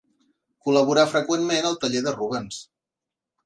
Col·laborà freqüentment al taller de Rubens.